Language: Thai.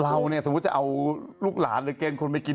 เราสมมุติจะเอาลูกหลานหรือแก่คนไปกิน